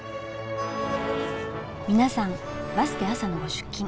皆さんバスで朝のご出勤。